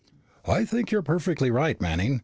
"I think you're perfectly right, Manning.